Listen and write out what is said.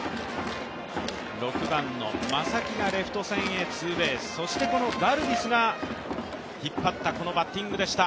６番の正木がレフト線へツーベースそしてガルビスが引っ張ったこのバッティングでした。